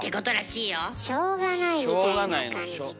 「しょうがない」みたいな感じか。